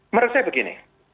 menurut saya begini